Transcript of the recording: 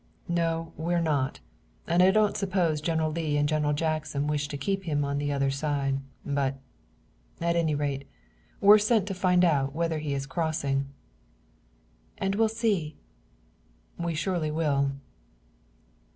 "No, we're not, and I don't suppose General Lee and General Jackson wish to keep him on the other side. But, at any rate, we're sent to find out whether he is crossing." "And we'll see." "We surely will."